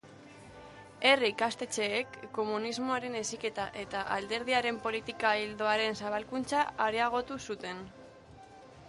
Herri-ikastetxeek komunismoaren heziketa eta Alderdiaren politika-ildoaren zabalkuntza areagotu zuten.